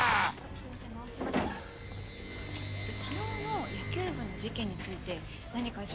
昨日の野球部の事件について何か情報あったりしますか？